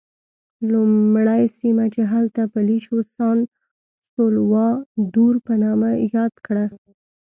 لومړی سیمه چې هلته پلی شو سان سولوا دور په نامه یاد کړه.